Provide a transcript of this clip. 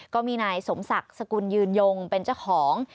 ก็มีนายสมศักดิ์สกุลยืนยงเป็นเจ้าของ